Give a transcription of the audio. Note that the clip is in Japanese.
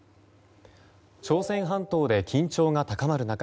朝鮮半島で緊張が高まる中